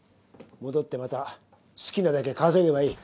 戻ってまた好きなだけ稼げばいい。